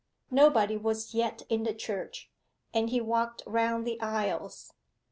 Nobody was yet in the church, and he walked round the aisles.